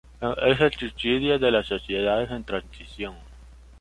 Es el suicidio de las sociedades en transición.